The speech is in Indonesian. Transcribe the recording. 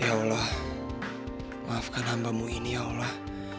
ya allah maafkan hambamu ini ya allah